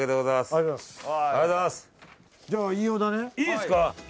いいんですか？